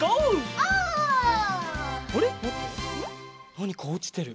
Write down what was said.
なにかおちてる。